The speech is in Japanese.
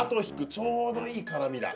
ちょうどいい辛味だ。